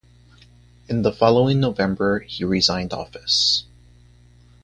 In the following November he resigned office.